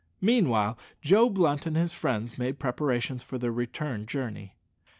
Meanwhile Joe Blunt and his friends made preparations for their return journey.